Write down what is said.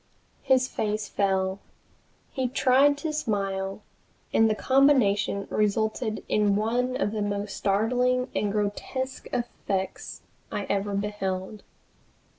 His face fell. He tried to smile, and the combination resulted in one of the most startling and grotesque effects I ever beheld.